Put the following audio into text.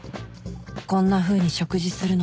こんなふうに食事するのは